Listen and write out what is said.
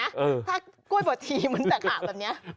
ถ้ากล้วยบัดทีมันจะขาวแบบนี้